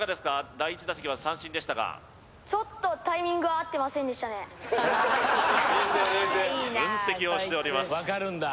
第１打席は三振でしたが冷静冷静分析をしております